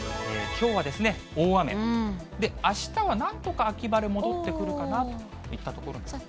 きょうは大雨、あしたはなんとか、秋晴れ戻ってくるかなといったところなんですね。